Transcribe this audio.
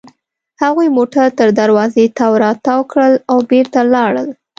هغوی موټر تر دروازې تاو راتاو کړل او بېرته لاړل.